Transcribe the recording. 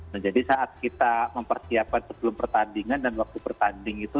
nah jadi saat kita mempersiapkan sebelum pertandingan dan waktu bertanding itu